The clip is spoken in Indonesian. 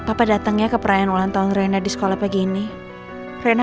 hai pak papa datangnya keperayaan ulang tahun reina di sekolah pagi ini reina